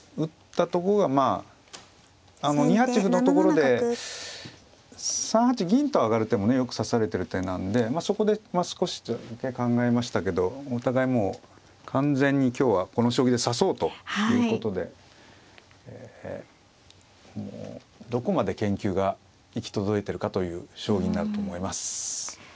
あの２八歩のところで３八銀と上がる手もねよく指されてる手なんでそこで少しだけ考えましたけどお互いもう完全に今日はこの将棋で指そうということでどこまで研究が行き届いてるかという将棋になると思います。